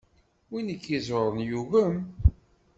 Win i k-iẓuren yugem.